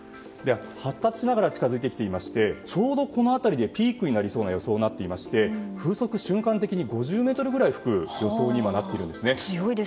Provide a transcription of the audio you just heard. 発達しながら近づいてきていましてちょうどこの辺りでピークになりそうな予想で風速、瞬間的に５０メートルくらい吹く予想に今、なっているんですね。